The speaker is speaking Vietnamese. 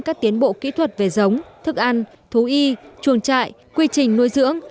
các tiến bộ kỹ thuật về giống thức ăn thú y chuồng trại quy trình nuôi dưỡng